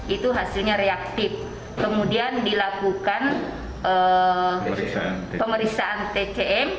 itu hasilnya reaktif kemudian dilakukan pemeriksaan tcm